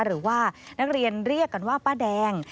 หรือว่านักเรียนเรียกกันว่าป้าแดง